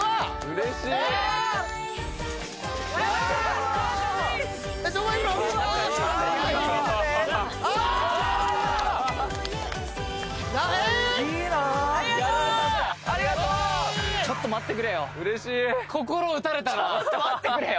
嬉しい・ちょっと待ってくれよ